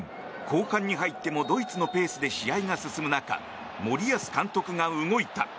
後半に入ってもドイツのペースで試合が進む中森保監督が動いた。